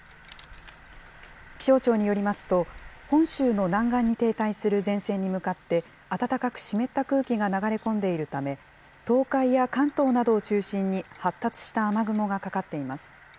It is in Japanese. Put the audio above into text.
気象庁によりますと、本州の南岸に停滞する前線に向かって、暖かく湿った空気が流れ込んでいるため、東海や関東などを中心に発達した雨雲がかかっています。